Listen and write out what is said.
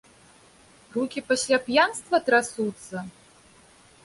Рукі пасля п'янства трасуцца?